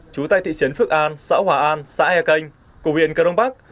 trú tại thị trấn phước an xã hòa an xã ea canh của huyện cơ đông bắc